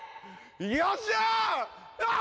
よっしゃー！